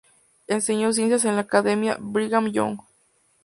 Enseñó ciencias en la Academia Brigham Young.